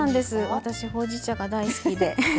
私、ほうじ茶が大好きです。